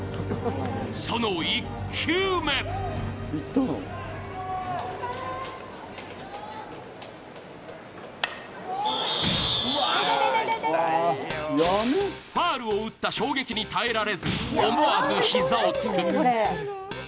その１球目ファウルを打った衝撃に耐えられず、思わず膝をつく。